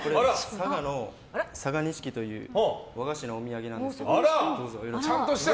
佐賀の、さが錦という和菓子のお土産なんですけどどうぞ。